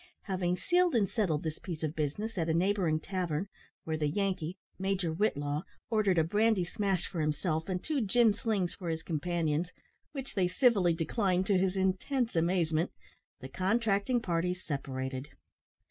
Having sealed and settled this piece of business at a neighbouring tavern, where the Yankee Major Whitlaw ordered a "brandy smash" for himself and two "gin slings" for his companions, (which they civilly declined, to his intense amazement,) the contracting parties separated.